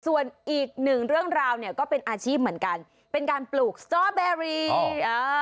ส่วนอีกหนึ่งเรื่องราวเนี่ยก็เป็นอาชีพเหมือนกันเป็นการปลูกสจอแบรีเออ